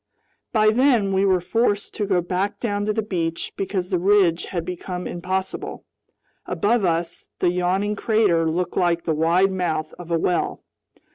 By then we were forced to go back down to the beach because the ridge had become impossible. Above us, the yawning crater looked like the wide mouth of a well.